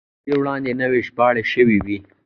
له دې وړاندې نورې ژباړې شوې وې.